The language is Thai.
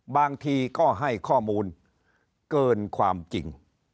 บางทีก็ให้ข้อมูลเกินความจริง